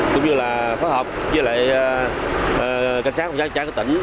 cũng như là phó hợp với lại cảnh sát phòng cháy chữa cháy của tỉnh